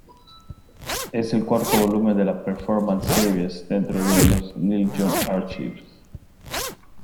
Es el cuarto volumen de la Performance Series dentro de los Neil Young Archives.